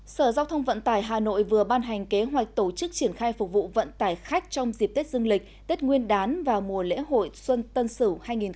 sở giao thông vận tải hà nội vừa ban hành kế hoạch tổ chức triển khai phục vụ vận tải khách trong dịp tết dương lịch tết nguyên đán và mùa lễ hội xuân tân sửu hai nghìn hai mươi một